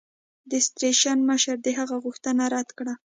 د سټېشن مشر د هغه غوښتنه رد کړه.